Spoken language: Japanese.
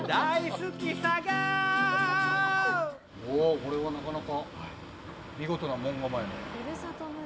これはなかなか見事な門構え。